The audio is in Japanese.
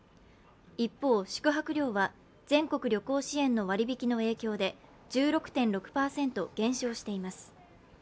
一方、宿泊料は全国旅行支援の割引きの影響で、１６．６％減少しています。